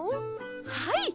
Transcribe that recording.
はい！